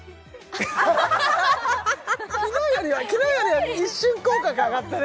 昨日よりは昨日よりは一瞬口角上がったね